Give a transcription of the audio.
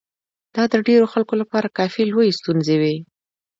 دا د ډېرو خلکو لپاره کافي لويې ستونزې وې.